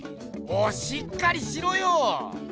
もうしっかりしろよ！